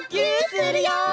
するよ！